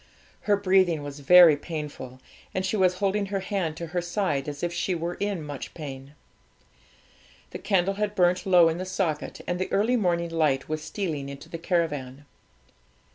Her breathing was very painful, and she was holding her hand to her side, as if she were in much pain. The candle had burnt low in the socket, and the early morning light was stealing into the caravan.